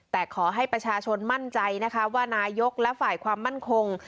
แต่ขอให้ประชาชนมั่นใจนะคะว่านายกและฝ่ายความมั่นคง